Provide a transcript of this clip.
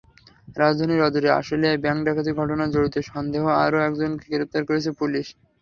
রাজধানীর অদূরে আশুলিয়ায় ব্যাংক ডাকাতির ঘটনায় জড়িত সন্দেহে আরও একজনকে গ্রেপ্তার করেছে পুলিশ।